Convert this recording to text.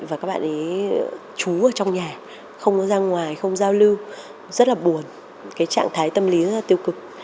và các bạn chú ở trong nhà không ra ngoài không giao lưu rất là buồn trạng thái tâm lý rất là tiêu cực